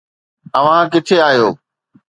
اوهان ڪٿي آهيو؟